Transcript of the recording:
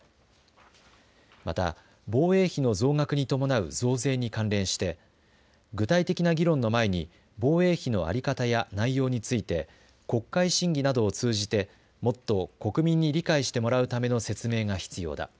また、防衛費の増額に伴う増税に関連して具体的な議論の前に防衛費の在り方や内容について国会審議などを通じてもっと国民に理解してもらうための説明が必要だ。